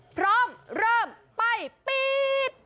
พร้อมเริ่มไปปี๊ด